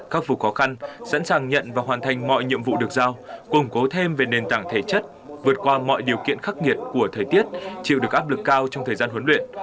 khắc phục khó khăn sẵn sàng nhận và hoàn thành mọi nhiệm vụ được giao củng cố thêm về nền tảng thể chất vượt qua mọi điều kiện khắc nghiệt của thời tiết chịu được áp lực cao trong thời gian huấn luyện